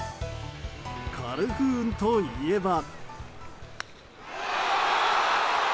カルフーンといえば。